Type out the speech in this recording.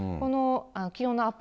気温のアップ